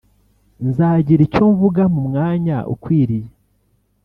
nzagira icyo mvuga mu mwanya ukwiriye